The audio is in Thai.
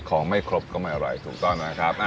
ของไม่ครบก็ไม่อร่อยถูกต้องนะครับ